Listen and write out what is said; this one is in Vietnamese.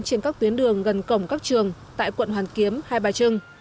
trên các tuyến đường gần cổng các trường tại quận hoàn kiếm hai bà trưng